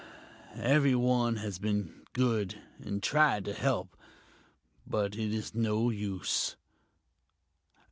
Everyone has been good and tried to help, but it is no use....